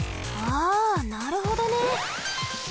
あなるほどね。